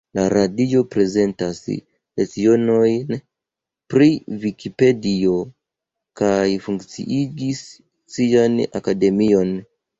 La radio prezentas lecionojn pri Vikipedio kaj funkciigis sian Akademion.